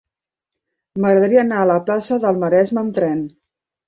M'agradaria anar a la plaça del Maresme amb tren.